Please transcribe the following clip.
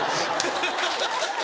ハハハハハ